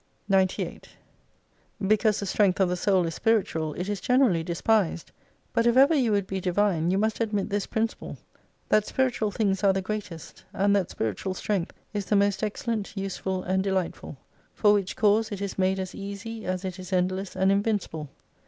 315 98 Because the strength of the soul is spiritual it is generally despised : but if ever you would be Divine, you must admit this principle : That spiritual things are the greatest, and that spiritual strength is the most excellent, useful, and delightful. For which cause it is made as easy as it is endless and invincible.